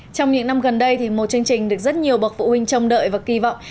trong những năm gần đây thì một chương trình được rất nhiều bậc phụ huynh trông đợi và kỳ vọng